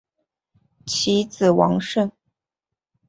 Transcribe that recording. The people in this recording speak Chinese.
其子王舜。